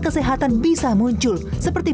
kesehatan bisa muncul seperti